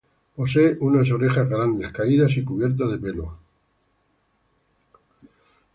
Posee unas orejas grandes, caídas y cubiertas de pelo.